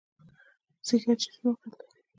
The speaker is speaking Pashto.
ځیګر چیرته موقعیت لري؟